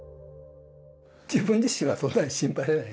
自分自身はそんなに心配じゃない。